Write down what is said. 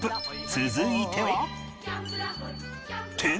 続いては